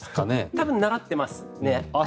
多分習ってます。